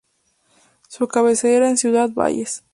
Su cabecera es Ciudad Valles.